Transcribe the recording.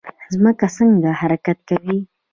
ځمکه څنګه حرکت کوي؟